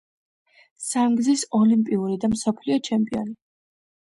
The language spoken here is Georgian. სამგზის ოლიმპიური და მსოფლიო ჩემპიონი.